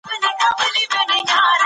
له بې ځایه بحثونو ډډه وکړئ.